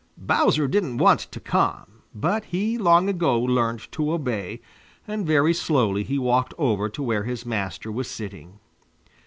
Bowser didn't want to come, but he long ago learned to obey, and very slowly he walked over to where his master was sitting.